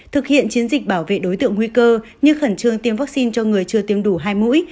thực hiện chiến dịch bảo vệ đối tượng nguy cơ như khẩn trương tiêm vaccine cho người chưa tiêm đủ hai mũi